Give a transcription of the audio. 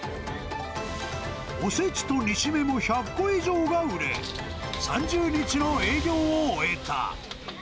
おせちと煮しめも１００個以上が売れ、３０日の営業を終えた。